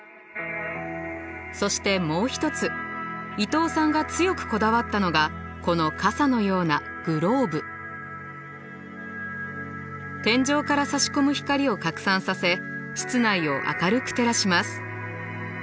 そしてもう一つ伊東さんが強くこだわったのがこの傘のような天井からさし込む光を拡散させ室内を明るく照らします。